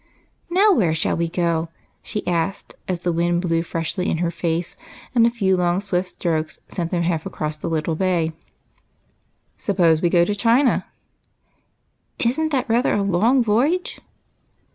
" Now where shall we go ?" she asked, as the wind blew freshly in her face, and a few long, swift strokes sent them half across the little bay. " SujDpose we go to China?" " Is n't that rather a long voyage